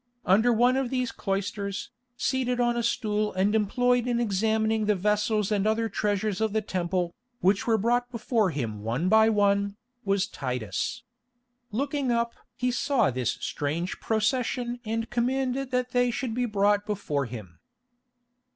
Under one of these cloisters, seated on a stool and employed in examining the vessels and other treasures of the Temple, which were brought before him one by one, was Titus. Looking up he saw this strange procession and commanded that they should be brought before him.